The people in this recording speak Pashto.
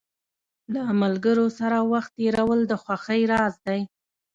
له ملګرو سره وخت تېرول د خوښۍ راز دی.